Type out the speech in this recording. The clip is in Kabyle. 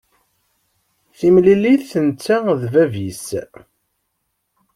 Timlilit netta d bab-is.